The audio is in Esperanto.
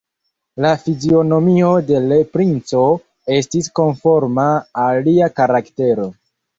La fizionomio de l' princo estis konforma al lia karaktero.